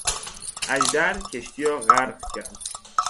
اژدر کشتی را غرق کرد.